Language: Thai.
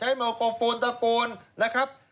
ไมโครโฟนตะโกนนะครับ